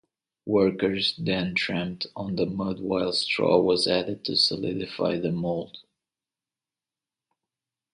Workers then tramped on the mud while straw was added to solidify the mold.